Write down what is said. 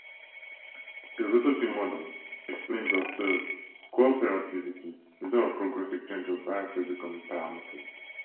The resulting model explains the observed "cooperativity" without a progressive change of biophysical parameters.